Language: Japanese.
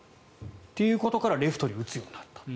ということからレフトに打つようになった。